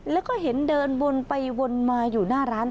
แล้วก็เห็นเดินวนไปวนมาอยู่หน้าร้าน